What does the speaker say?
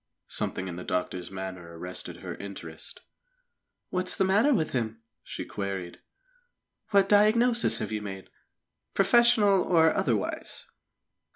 Something in the doctor's manner arrested her interest. "What is the matter with him?" she queried. "What diagnosis have you made, professional or otherwise?"